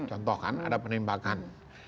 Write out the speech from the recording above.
contoh kan ada penembakan